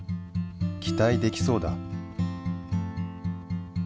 期待できそうだ。